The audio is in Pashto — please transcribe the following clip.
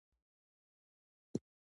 ښځه د وفا نښه ده.